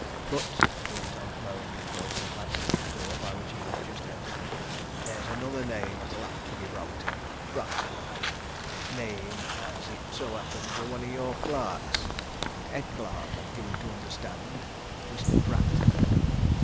But," he went on, lowering his voice and glancing at the door by which he had just entered, "there's another name 'at 'll have to be browt in private, like. Name, as it so happens, o' one o' your clerks t' head clerk, I'm given to understand Mr. Pratt."